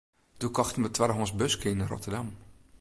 Doe kochten we in twaddehânsk buske yn Rotterdam.